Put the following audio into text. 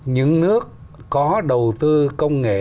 những nước có đầu tư công nghệ